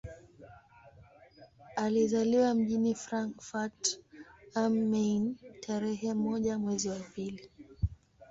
Alizaliwa mjini Frankfurt am Main tarehe moja mwezi wa pili